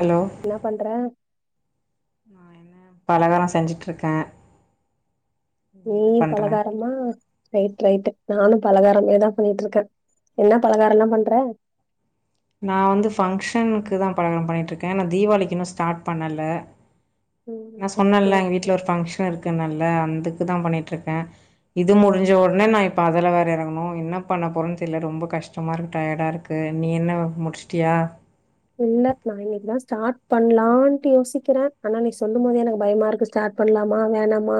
Hello என்ன பண்ற நான் என்ன பலகாரம் செஞ்சுட்டுருக்கேன் நீ பலகாரமா ரைட் ரைட் நானும் பலகாரமே தான் பண்ணிட்டு இருக்கேன் என்ன பலகாரம்லாம் பண்றே நான் வந்து ஃபங்க்ஷனுக்கு தான் பலகாரம் பண்ணிட்டு இருக்கேன் நான் தீபாவளிக்குன்னும் ஸ்டார்ட் பண்ணல ம் நான் ஓகே சொன்னேன்ல எங்க ஓகே வீட்டு்ல ஒரு ஃபங்க்ஷன் இருக் அது நல்ல அதுக்கு தான் பண்ணிட்டு ருக்கேன் இது முடிஞ்ச ஒடனே நான் இப்ப அதல வேற இறங்கனும் என்ன பண்ண போறன்னு தெர்ல ரொம்ப கஷ்டமா இருக்கு டயடா இருக்கு நீ என்ன ப முடிச்ட்டியா இல்ல நா இன்னைக்குதா ஸ்டார்ட் பண்ணலான்ட்டு யோசிக்கிறேன் ஆனா நீ சொல்லும் போதே எனக்கு பயமா இருக்கு ஸ்டார் பண்ணலாமா வேணாமா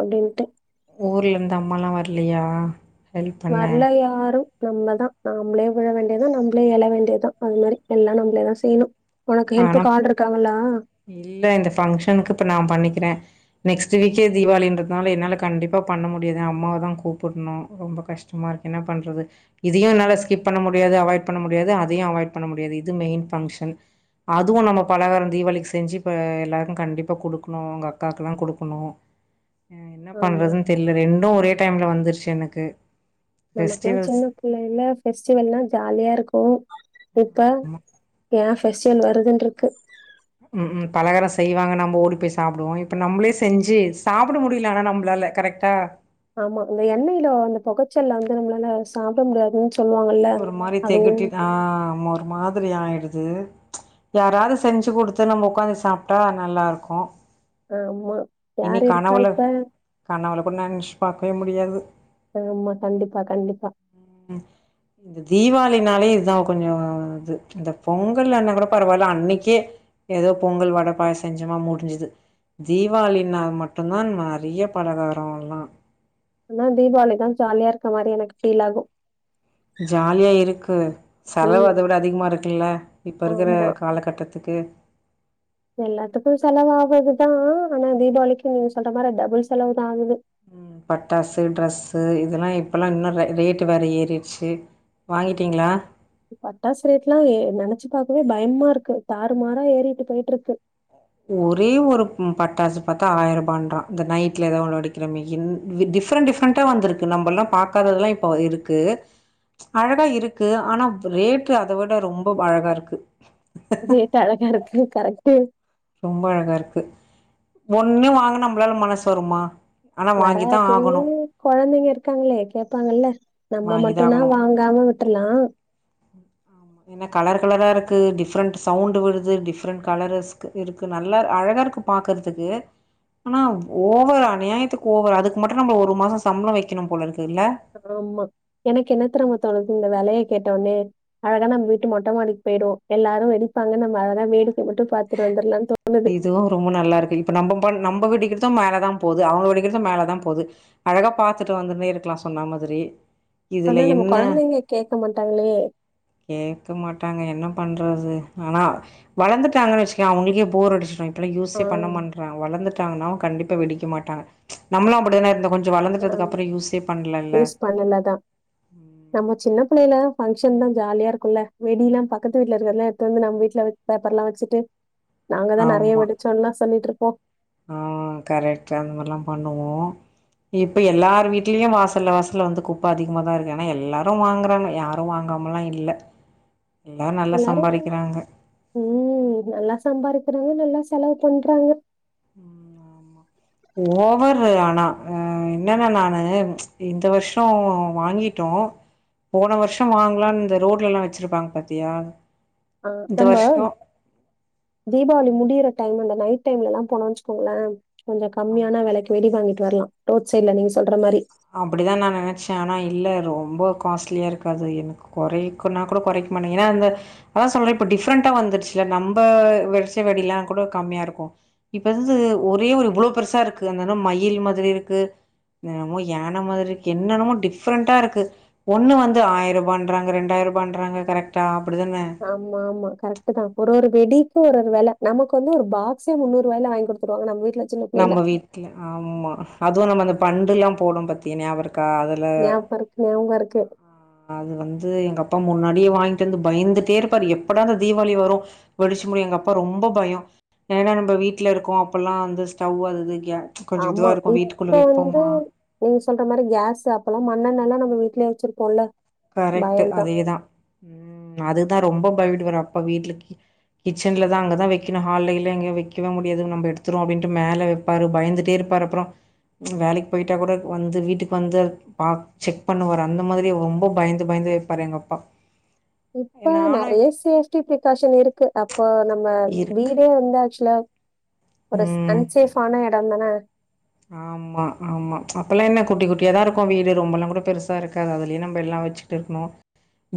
அப்படின்ட்டு ஊர்ல இருந்து அம்மாலா வர்லையா வரல யாரும் நம்மதான் நம்மளே வில வேண்டியதான் நம்மளே எல வேண்டியதுதான் அது மாரி எல்லாம் நம்மளே தான் செய்யணும் ஆனாம் இல்ல இந்த பங்க்ஷனுக்கு இப்ப நான் பண்ணிக்கிறேன் நெக்ஸ்ட் வீக்கே தீபாளின்றதுனால என்னால கண்டிப்பா பண்ண முடியாது அம்மாவ தான் கூப்புடணும் ரொம்ப கஷ்டமா இருக்கு என்ன பண்றது இதையும் என்னால ஸ்கிப் பண்ண முடியாது அவாய்ட் பண்ண முடியாது அதையும் அவாய்ட் பண்ண முடியாது இது மெயின் ஃபங்க்ஷன் அதுவும் நம்ம பலகாரம் தீபாவளிக்கு செஞ்சு இப்ப எல்லாருக்கும் கண்டிப்பா கொடுக்குணும் உங்க அக்காவுக்கெல்லாம் கொடுக்குணும் என்ன ஆமா பண்றதுன்னு தெரியல ரென்டு ஒரே டைம்ல வந்துருச்சு எனக்கு நமக்குல்லாம் ஃபெஸ்டிவல்ஸ் சின்ன புள்ளைல்ல பெஸ்டிவல்லாம் ஜாலியா இருக்கும் க்கா ஏன் ஃபெஸ்டிவல் வருதுன் ருக்கு உம் உம் பலகாரோ செய்வாங்க நம்ம ஓடி போய் சாப்பிடுவோம் இப்ப நம்மளே செஞ்சு சாப்பிட முடியலனா நம்மளால கரெக்டா ஆமா அந்த எண்ணெய்ல பொகைச்சல்ல வந்து நம்மளால சாப்பிட முடியாதுன்னு சொல்லுவாங்கல்ல. ஒரு மாதிரி அதுவும் தகுட்டி தான் ஒரு மாதிரி ஆயிடுது யாராவது செஞ்சு கொடுத்து நம்ம உக்காந்து சாப்பிட்டா நல்லா இருக்கும் ஆமா இனி யார் இருக்கா கனவுல இப்ப? கனவுல கூட நினைச் பார்க்கவே முடி முடியாது ஆமா கண்டிப்பா கண்டிப்பா திபாளின்னாலே இதான் கொஞ்சம் இது இந்த பொங்கல்லன்னா கூட பரவாயில்ல அன்னைக்கே ஏதோ பொங்கல் வடை பாயாசம் செஞ்சமா முடிஞ்சுது தீப தீபாவளின்னா மட்டும்தான் நிறைய பலகாரம் எல்லாம் ஆனா தீபாவளி தான் ஜாலியா இருக்க மாரி எனக்கு ஃபீல் ஆகும் ஜாலியா இருக்கு செலவு ம். அதை விட அதிகமா இருக்குல்ல இப்போ இருக்கிற ஆமா. காலகட்டத்துக்கு எல்லாத்துக்கும் செலவாகுதுதான் ஆனா தீபாவளிக்கு நீங்க சொல்ற மாதிரி டபுள் செலவுதான் ஆகுது பட்டாசு ட்ரெஸ்ஸு இதெல்லாம் இப்பல்லாம் இன்னும் ரேட்டு் வேற ஏறிடுச்சு வாங்கிட்டீங்களா பட்டாசு ரேட்டுல்லாம் ஏ நினைச்சு பாக்கவே பயமா இருக்கு தாறுமாறா ஏறிட்டு போயிட்ருக்கு ஒரே ஒரு பட்டாசு பார்த்தா ஆயிரம் ரூபான்றான் இந்த நைட்ல ஏதாவ ஒன்னு வெடிக்கிறமே டிஃப்ரெண்ட் டிஃப்ரெண்ட்டா வந்திருக்கு நம்ம எல்லாம் பாக்காதது எல்லாம் இப்ப இருக்கு அழகா இருக்கு ஆனா ரேட்டு அதை விட ரொம்ப அழகா இருக்கு ரேட் அழகா இருக்கு கரெக்ட்டு ரொம்ப அழகா இருக்கு ஒண்ணு வாங்க நம்மளால மனசு வருமா ஆனால் வாங்கி தான் வராது ஆகணும் குழந்தைங்க இருக்காங்களே கேட்பாங்கல்ல நம்ம வாங்கி தான் மட்டுனா ஆகணும் வாங்காம விட்டுரலாம் இது டிஃப்ரெண்ட் சவுண்ட் வருது டிஃப்ரெண்ட் கலரஸ் இருக்கு நல்லா அழகா இருக்கு பக்கறதுக்கு ஆனா ஓவர் அநியாயத்துக்கு ஓவர் அதுக்கு மட்டும் நம்ம ஒரு மாச சம்பளம் வைக்கணும் போல இருக்கு இல்ல ஆமா எனக்கு என்னத்தெரியுமா தோணுது விலைய கேட்டோனே அழகா நம்ம வீட்டு மொட்டைமாடிக்கு போயிடுவோம் எல்லாரும் வெடிப்பாங்க நம்ம அழகா வேடிக்க இத மட்டும் பாார்த்துட்டு வந்துடலாம்னு தோணுது இதுவு ரொம்ப நல்லா இப்ப நம்ம நம்ம வெடிக்கிறதும் மேலதான் போகுது அவன் வெடிக்கிறதும் மேலதான் போகுது அழகா பார்த்துட்டு வந்துன்னே இருக்கலாம் சொன்ன மாதிரி ஆனா இதுல நம்ம என்ன குழந்தைங்க கேட்க மாட்டாங்களே கேட்க மாட்டாங்க என்ன பண்றது ஆனா வளர்ந்துட்டு ட்டாங்க வச்சுக்க அவங்களுக்கே போர் அடிச்சுடும் இன்ன யூஸே பண்ண ஆஹ் மாட்டறான் வளர்ந்துட் தானா கண்டிப்பா வெடிக்க மாட்டாங்க நம்ளும் அப்படிதான் இருந்தோம் கொஞ்ச ஆ யூஸ் பண்ணல தான் நம்ம சின்ன சென்னையில பங்க்ஷன் தான் ஜாலியா இருக்கும்ல்ல வெடிலல்லாம் பக்கத்து வீட்டுல இருக்கிறதல்லாம் எடுத்து வந்து நம் வீட்ல பேப்பர் எல்லாம் வச்சுட்டு நாங்க தான் நிறைய விடிச்சோம்ல்லாம் சொல்லிட்டு இருக் போ ஆங் கரெக்ட் அந்த மாதிரி ல்லாம் பண்ணுவோம் இப்ப எல்லார் வீட்லயும் வாசல்ல வாசல்ல வந்து குப்பை அதிகமா தான் இருக்கு ஆனா எல்லாரும் வாங்றாங்க யாரும் வாங்காமல்லா இல்ல எல்லாரு நல்லா எல்லாரும் சம்பாரிக்கிறாங்க உம் நல்லா சம்பாதிக்கிறாங்க நல்லா செலவு பண்றாங்க ஓவர்ரு ஆனா என்னன்னா நானு இந்த வருஷம் வாங்கிட்டோம் போன வருஷம் வாங்கலாம்னு இந்த ரோட்ல எல்லாம் வச்சிருப்பாங்க பாத்தியா ஆஹ் இந்த நம்ம வருஷோ தீபாவளி முடியற டைம் அந்த நைட் டைம்ல எல்லாம் போனோ வச்சுக்கோங்களன் கொஞ்சம் கம்மியான வெலைக்கு வெடி வாங்கிட்டு வரலாம் ரோட் சைடல நீங்க சொல்ற மாதிரி அப்படித்தான் நான் நினைச்சேன் ஆனா இல்ல ரொம்ப காஸ்ட்லியா இருக்காது எனக்கு குறைக்குன்ன கூட குறைக்க மாட்டேங்க ஏன்னா அந்த அதான் சொல்றேன் இப்ப டிரெண்டா வந்துருச்சு நம்ம வெடிச்ச வெடிலாம் கூட கம்மியா இருக்கும் இப்ப வந்து ஒரே ஒரு இவ்ளோ பெருசா இருக்கு அது மயில் மாதிரி இருக்கு என்ன யான மாதிரிக்கு என்னன்னமோ டிஃப்ரெண்டா இருக்கு ஒண்ணு வந்து ஆயிரூபாண்றாங்க ரெண்டாயி ரூபாண்றாங்க கரெக்டா ஆமா ஆமா கரெக்ட் தான் ஒரு ஒரு வெடி ஒரு ஒரு வெல நமக்கு வந்து ஒரு பாக்ஸே முன்னூறு வாயில வாங்கி கொடுத்துருவங்க நம்ம வீட்டு நம்ம வீட்டுல ஆம்மா அதுவும் நம்ம அந்த பண்டுயாயுல்லாம் போடும் பத்தினா ஞாவருக் காதுல ஞாபகோ இருக்கு ஞாபகோ இருக்கு அது வந்து எங்க அப் அப்ப முன்னாடியே வாங்கிட்டு வந்து பயந்துட்டே இருப்பாரு எப்படா அந்த தீவாளி வரும் வெடிச்சு முடியும் எங்க அப்பா ரொம்ப பயம் ஏன்னா நம்ம வீட்டுல இருக்கோம் அப்பல்லாம் அந்த சவுதுக்க [unintelligible] ஆமா இப்ப வந்து நீங்க சொல்ற மாரி கேஸ்சு அப்பல்லா மண்ணென்ன எல்லா நம்ம வீட்லேயே வச்சிருப்போல கரெக்ட்டு அதேதான் உம் அதுதான் ரொம்ப அப்பா விட்டுல கிச்சலான் அங்கதான் வைக்கைக [unintelligible] முடியது எ பந்துே இரும் வேலைக்கு போய கூ வந்து வீட்டுக்கு வ செக் பண்ணுவ அந்த மாதிரி ரொம்ப பயந்து பயந்து வைப்பாரு எங்கப்பா இப்ப நெறைய சேஃப்டி பிரிகாஷன் இருக்கு அப்போ நம்ம இருக்கு வீடே வந்தாச்சுல ஒரு ம் அன்சேஃபான இடோன் தானே [inaudible] ஆமா ஆமா அப்பல்லாம் என்ன குட்டி குட்டியாதான் இருக்கும் வீடு ரொம்ப எல்லாம் கூட பெருசா இருக்காது அதுலயும் நம்ம எல்லாம் வச்சுட்டு இருக்குணும்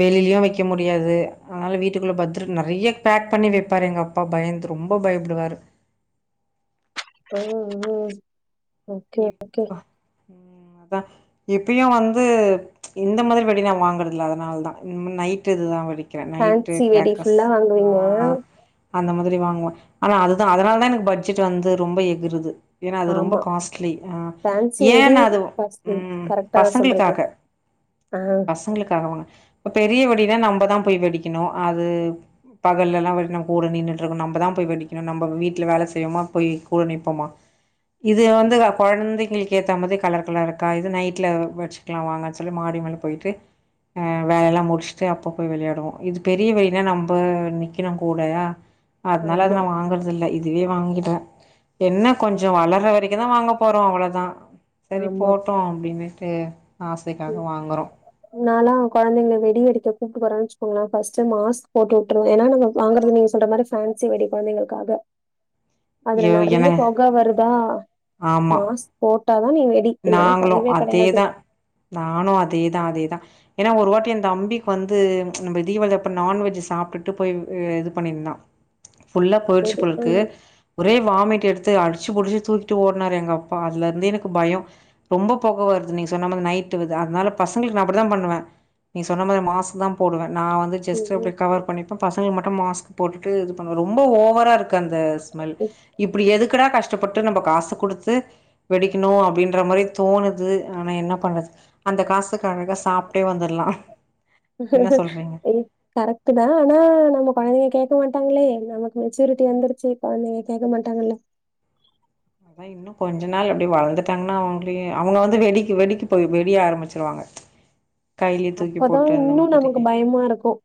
வெளிலயும் வைக்க முடியாது அதனால வீட்டுக்குள்ள பத்திர நிறைய பேக் பண்ணி வைப்பாரு எங்க அப்பா பயந்து ரொம்ப பயப்படுவாரு உஹம் உம் ஓக்கே ஓக்கே உம் அதான் இப்பயும் வந்து ச்சு இந்த மாதிரி வெடி நான் வாங்கறதில்ல அதனால தான் இந்த நைட் இதுதா வெடி பேன்சி வெடி ஃபுல்லா வாங்குவீங்க ஆ அந்த மாதிரி வாங்குவேன் ஆனா அதுதான் அதனால தான் எனக்கு பட்ஜெட் வந்து ரொம்ப எகுருது ஏன்னா அது ரொம்ப ஆமா. காச்ட் ஃபேன்சி அப்புடியா வெடி ஏன்னா அது உ காஸ்ட்லி. ஹ்ம் கரெக்ட்டா தான் சொல்றீங்க. பசங்களுக்காக ஆ பசங்களுக்காக வாங்குன அப்ப பெரியவெடி ஏன்னா நம்ம தான் போய் படிக்கணும் அது பகல்ல எல்லாம் வந்து கூட நின்னுட்டுருக்கணும் நம்ப தான் போய் வெடிக்கணும் நம்ப வீட்ல வேலை செய்யவோமா போய் கூட நிப்போமா இது வந்து அது குழந்தைங்களுக்கு ஏத்த மாதிரி கலர் கலர் இருக்கா இது நைட்ல வெடிச்சுக்கலாம் வாங்கன்னு சொல்லி மாடி மேல போயிட்டு ஹ்ம் வேல எல்லாம் முடிச்சுட்டு அப்ப போய் விளையாடுவோம் இது பெரிய வெடினா நம்ம நிக்கணும் கூட அதனால அது ஆமா, நானன வாங்கறதில்ல இதே வாங்கிடேன் என்ன கொஞ்சோ வளர வரைக்கும் இதான் வாங்க போறோம் அவ்ளதான் சரி ஆமா. போட்டோம் அப்டின்னுட்டு ஆசைக்காக வாங்குறோம் நனாலாம் கெழந்தைங்க வெடி அடிக்க கூப்பிட்டு போறோங்க வச்சுக்கோங்களே ஃபர்ஸ்ட் மாஸ்க் போட்டு விட்ருவேன் ஏன்னா நாங்க வாங்கறது நீங்க சொல்ற மாரி பென்சி வெடி குழந்தைகளுக்காக அதுல ஐயோ நெறைய என்னங்க போக வருது தான் ஆமா மாஸ்க் [inaudible] வெடி இல்லன்னா கடையவே கெடையாது நானும் அதேதான் அதேதான் ஏன்னா ஒரு வாட்டி எந்த தம்பிக்கு வந்து நம்ம தீபளிப்ப நான்வெஜ்ஜ் சாப்பிட்டுட்டு போய் இது பண்ணிருந்தான் ஃபுல் ஆ போயிருச்சு வெடி. போலருக்கு ம், ஒரே வாமிட் எடுத்து அ அடிச்சு பிடிச்சி தூக்கி ஓடினாரு எங்க அப்பா அதுலேந்து எனக்கு பயம் ரொம்ப போக வருது நீ சொன்ன மாறி அதனால பசங்களுக்கு நான அப்டிதான் பண்ணுவன் நீ சொன்ன மாறி மாஸ்க் தான் போடுவே நான் வந்து ஜஸ்ட் அப்டி ம், கவர் பண்ணிப்பேன் பசங்க மட்டும் மாஸ்க் போட்டுட்டு ரொம்ப ஓவரா இருக்கு அந்த ஸ்மெல் ம். இப்படி எதுக்குடா கஷ்டம் ப்பட்டு நம்ம காசு கொடுத்து வெடிக்கணும் அப்டின்னு ன்ற மாதிரி தோணுது ஆனால் என்ன பண்ணுறது என்ன சொல்றீங்க கரெக்ட் தான் ஆனா நம்ம கெழந்தைங்க கேட்க மாட்டாங்களே நமக்கு மெச்சூரிட்டி வந்தருச்சு கெழந்தைங்க கேட்க மாட்டாங்கல்ல அதான் இன்னும் கொஞ்ச நாள் எப்டி வளர்ந்துட்டாங்கன்னா அவங்களும் அவங்க வந்து வெடிக்கு வெடிக்கு போய் வெடிய ஆரம்பிச்சிருவாங்க கைல தூக்கி அப்பதான் போட்ட அந்த இன்னும் மாரி நமக்கு பயமா இருக்கும்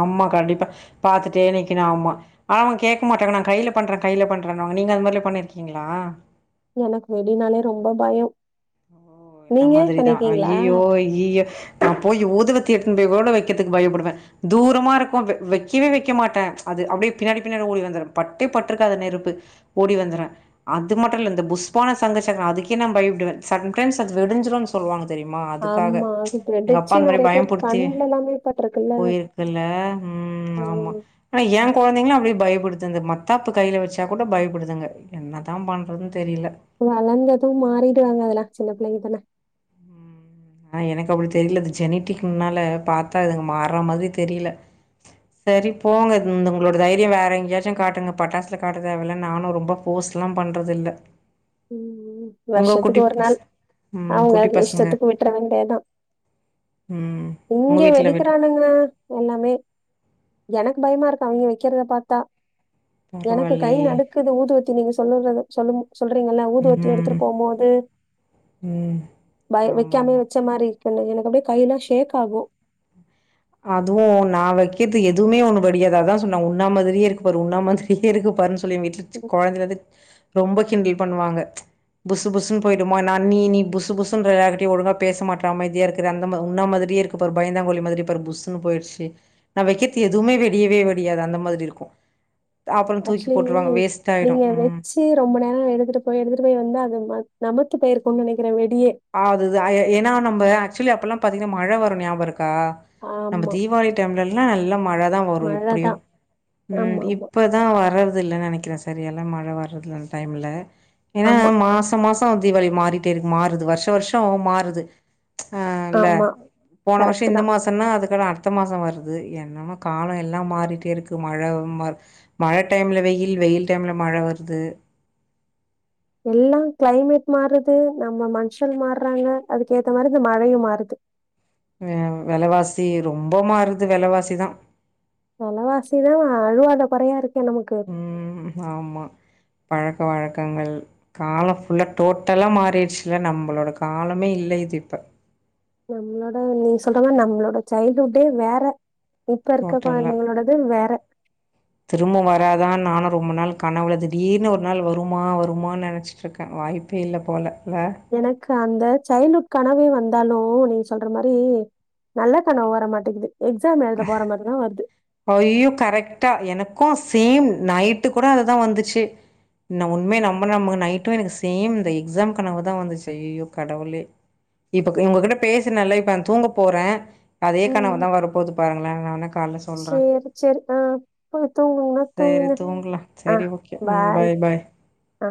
ஆமா கண்டிப்பா பாத்தட்டே நிக்கனும் ஆமா அவங்க கேட்க மாட்டாங்க நான் கைல பண்றேன் கைல பண்ற நீங்க அது மாரி பண்ணிருக்கீங்களா எனக்கு வெடினாலே ரொம்ப பயம் அந்த நீங்க மாரிதான் பண்ணிருக்கீங்களா ஐயோ யோ நான் போய் ஊதுவத்தி வைக்கக்கு பயப்படுவேன் தூரமா இருக்கும் வைக்கவே வைக்க மாட்டேன் அது பின்னாடி பின்னாடி ஓடி வந்துவேன் பட்டடே பட்டு இருக்காது நெருப்பு ஓடிவந்திருவேன் அது மட்டும் இல்ல புசுவனம் சங்குசக்கரம் அதுக்கே நான் பயடுவேன் சம்டைம்ஷ் அ வெடிஞ்சிடும்னு சொல்லுவாங்க தெரியுமா அதுக்காக ஆமா அது எங்க அப்பா வெடிச்சு அந்த மாரி நிறைய பேர் பயமுறுத்தி கண்ணுல எல்லாமே பட்டிருக்குல்ல போயிருக்குல்ல உ ஆமா ம். ஆனா ஏ கெழந்தைங்கள அப்டி பயப்படுத்துது மத்தாப்பு கையில வச்சா கூட பயப்படுத்துங்க என்னதான் பண்றதுன்னு தெரியல வளர்ந்ததுவும் மாறிடுவாங்க அதல்ல சின்ன புள்ளங்க் தானே ம் ஆனா எனக்கு அப்டி தெரியல அது ஜெனட்டிக்னால பாத்தா இதுங்க மாறுற மாரி தெரியல சரி போங்க உங்களோட தைரியம் வேற எங்கேயாச்சும் காட்டுங்க பட்டாசுல காட்டு தேவல நானும் ரொம்ப ஃபோர்ல்லாம் பண்றது இல்ல உம் உங்க வருஷத்துக்கு குட்டி ஒரு பச நாள் ம் அவங்க குட்டி பசங்க இஷ்டத்துக்கு விட்டுறவ ம் [inaudible] உங்க இங்க வீட்ல வெட்டி வெடிக்கிறானுங்கள எல்லாமே எனக்கு பயமா இருக்கும் அவங்க வைக்கிறத பாத்தா எனக்கு கை பரவாயில்லயே நடுக்குது ஊதுவத்தி நீங்க சொல்லறது சொல்லு [unintelligible] ஊது ஊத்தி ம் எடுத்துட்டு போம்போது ம் ப ஆமா வக்காமே ஆமா வச்ச மாரி என் எனக்கு அப்படியே கைல்லா ஷேக் ஆகு அதுவு நான் வெக்கர்து எதுவுமே ஒண்ணு வெடியாது அத தான் சொன்ன உன்ன மாதிரியே இருக்கு பாரு உன்ன மாதிரியே இருக்கு பாரு [unintelligible] கொழந்தைலந்து ரொம்ப கிண்டில் பண்ணுவாங்க புசு புசுணு போய்டுமா என்னன்னி நீ புசுபுசுன்னு எல்லாத்துக்கிட்டையும் ஒழுங்கா பேச மாற்ற அமைதியா இருக்குற அந்த மா உன்ன மாதிரியே இருக்கு பாரு பயந்தாங்கோலி மாதிரி பா புஸ்ஸுன்னு போயிருச்சு நான் வைக்கிறது எதுவுமே வெடியவே வெடியாது அந்த மாரி இருக்கு ஆக்சுவலி நீங்க ம். வச்சு ரொம்ப நேர எடுத்துட்டு போய் எடுத்துட்டு போய் வந்த அது நமத்து பேய்ருக்கும் நினைக்கிற வெட் ஆ அது து ஏனா நம்ப ஆச்சுவலி அப்பெல்லா பாத்திங்கன்னா மழ வரு ஞாபக இருக் கா நம்ம ஆமா தீபாவளி டைம்ல எல்லா நல்ல மழ தான் வரு இப்பிடியு மழைதான் ம் ஆமா ஆமா இப்பதா வரற்த் இது இல்லைன்னு நினைக்கிறே சரியான மழ வேற அந்த டைம்ல்ல ஏனா ஆமா மாச மாசம் ஆ திவாளி மாறிட்டே இருக்கு மாறுது வருஷ வருஷோ வருஷோ மாறுது ஆஹ இல ஆமா போன வருஷ கரெக்ட் இந்த தான் மாசனா அதுக்கா ஆ அடுத்த மாசம் வருது என்னவோ கால எல்லா மாறிட்டே இருக்கு மழ ம மழ டைம்ல வெயில் வெயில் டைம்ல மழ வருது எல்லாம் கிளைமேட் மாறுது நம்ம மனுஷங்க மாறாங்க அதுக்கு ஏத்த மாரி இந்த மழையு மாறுது உம் வெலவாசி ரொம்ப மாறுது வெலவாசிதான் வெலவாசிதான் அழுவாத கொறையா இருக் ம் ஆமா பழக்க வழக்கங்கள் காலம் ஃபுல்ல டோட்டலா மாறிடுச்சுல்ல நம்பளோட காலமே இல்ல இது இப்ப நம்மளோட நீ சொல்றன நம்மளோட சைல்டுஹுட்டே வேற இப்ப இருக்க ஓட்டல்ல குழந்தைங்களோடது வேற திரும்ப வராதா நானு ரொம்ப நாள் கனவுள திடீர்னு ஒரு நாள் வருமா வருமா நெனச்சிட்டு இருக்கே வாய்ப்பே இல்ல போல இல்ல எனக்கு அந்த சைல்ட்ஹூட் கனவே வந் இருந்தாலு நீங்க சொல்ற மாரி நல்ல கனவு வர மாட்டேங்கிது எக்ஸாம் எழுத போற மாரிதான் வருது ஐய்யோ கரெக்டா எனக்கு சேம் நைட்டு கூட அதுதா வந்துச்சு ந உண்மே நம்புனா நம்பு நைட்டு எனக்கு சேம் இந்த எக்ஸாம் கனவு தான் வந்துச்சு ஐய்யோ கடவுளே இப்போ உங்ககிட்ட பேசுநல்ல இப்போ நா தூங்க போறே அதே ம். கனவு தா வரபோது பாருங்களே நான்னா கால சேரி சேரி ஆஹ போய் தூங்குங்க சரி தூங்குங்க தூங்கலாம் ஹ சரி ஓகே ம் பாய் ஹ